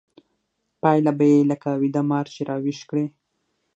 پايله به يې لکه ويده مار چې راويښ کړې.